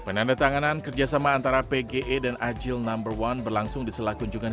penandatanganan kerjasama antara pge dan agile no satu berlangsung di selah kunjungan